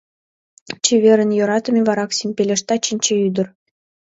— Чеверын, йӧратыме вараксим! — пелешта Чинче ӱдыр.